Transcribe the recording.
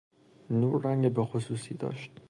نور رنگ بخصوصی داشت.